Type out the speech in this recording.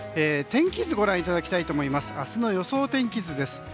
天気図をご覧いただきたいと思います。